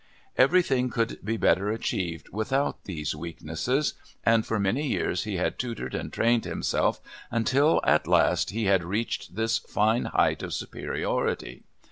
Everything could be better achieved without these weaknesses, and for many years he had tutored and trained himself until, at last, he had reached this fine height of superiority.